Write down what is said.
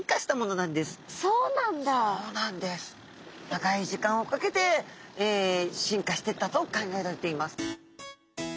長い時間をかけて進化していったと考えられています。